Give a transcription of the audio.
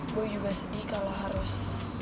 gue juga sedih kalau harus